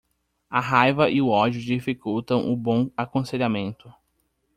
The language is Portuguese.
A raiva e o ódio dificultam o bom aconselhamento.